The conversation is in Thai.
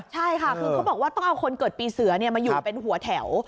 ใช่ค่ะคือเขาบอกว่าต้องเอาคนเกิดปีเสือมาอยู่เป็นหัวแถว